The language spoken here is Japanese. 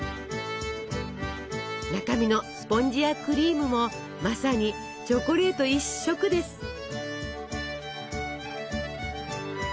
中身のスポンジやクリームもまさにチョコレート一色です。